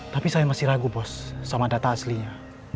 tapi saya masih ragu bos sama data aslinya